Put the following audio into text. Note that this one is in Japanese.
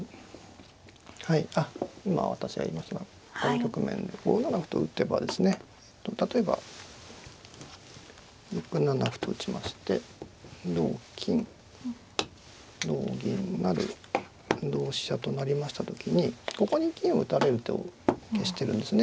はい今私が言いましたのはこの局面で５七歩と打てば例えば６七歩と打ちまして同金同銀成同飛車となりました時にここに金を打たれる手を消してるんですね。